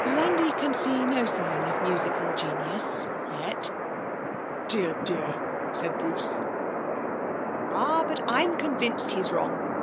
Landi can see no sign of musical genius yet.' 'Dear, dear!' said Bruce. 'Ah, but I am convinced he's wrong.